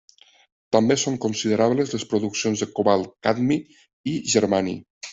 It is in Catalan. També són considerables les produccions de cobalt, cadmi i germani.